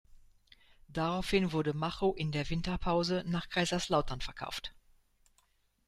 Daraufhin wurde Macho in der Winterpause nach Kaiserslautern verkauft.